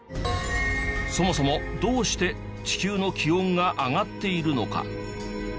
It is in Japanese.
そもそもどうして地球の気温が上がっているのか？